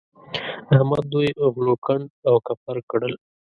احمد دوی غلو کنډ او کپر کړل.